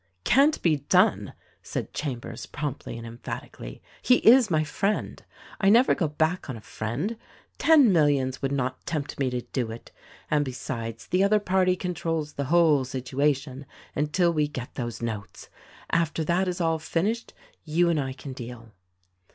"Can't be done !" said Chambers promptly and emphat ically. "He is my friend. I never go back on a friend — ten millions would not tempt me to do it; and besides, the other party controls the whole situation until we get those notes. After that is all finished you and I can deal.